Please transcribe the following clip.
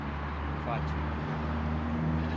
Fátima